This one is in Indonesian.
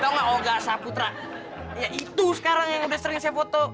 tau gak olga saputra ya itu sekarang yang udah sering saya foto